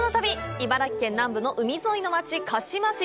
茨城県南部の海沿いの町、鹿嶋市。